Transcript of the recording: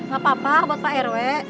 gak apa apa buat pak rw